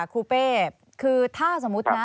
ครูเป้คือถ้าสมมุตินะ